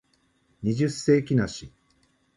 二十世紀梨